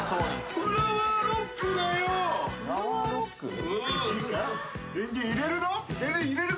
フラワーロック？いいか？